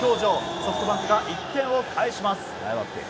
ソフトバンクが１点を返します。